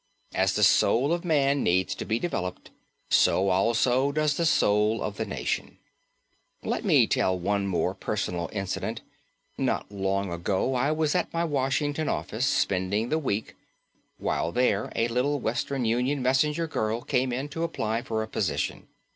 As the soul of man needs to be developed, so also does the soul of the nation. Let me tell one more personal incident. Not long ago I was at my Washington office spending the week. While there a little Western Union messenger girl came in to apply for a position.